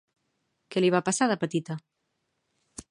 Què li va passar de petita?